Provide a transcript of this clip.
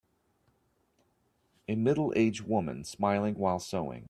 An middleage woman smiling while sewing.